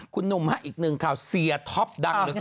คุณหนุ่มอีกหนึ่งข่าวเสียท็อปดัง